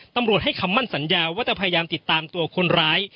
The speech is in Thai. ตำรวจให้คำมั่นสัญญาว่าจะพยายามติดตามตัวคนร้าย